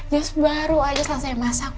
yes baru aja selesai masak